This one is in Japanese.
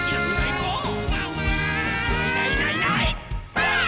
ばあっ！